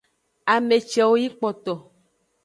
Ame cewo yi kpoto.